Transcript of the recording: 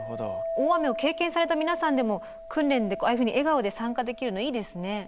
大雨を経験された皆さんでも訓練でああいうふうに笑顔で参加できるのいいですね。